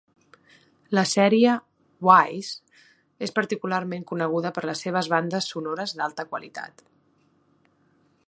La sèrie "Ys" és particularment coneguda per les seves bandes sonores d'alta qualitat.